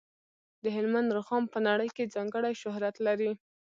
د هلمند رخام په نړۍ کې ځانګړی شهرت لري.